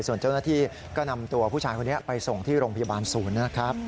ส่วนเจ้าหน้าที่ก็นำตัวผู้ชายคนนี้ไปส่งที่โรงพยาบาลศูนย์นะครับ